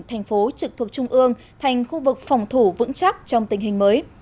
thành phố trực thuộc trung ương thành khu vực phòng thủ vững chắc trong tình hình mới